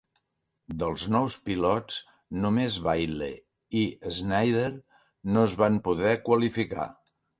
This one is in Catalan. Dels nous pilots, només Bailey i Schneider no es van poder qualificar.